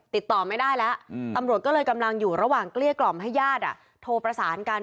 ติดต่อไม่ได้แล้วตำรวจก็เลยกำลังอยู่ระหว่างเกลี้ยกล่อมให้ญาติโทรประสานกัน